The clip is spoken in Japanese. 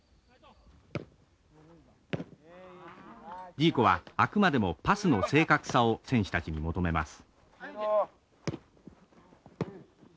ジーコはあくまでもパスの正確さを選手たちに求めます。